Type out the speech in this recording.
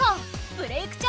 「ブレイクッ！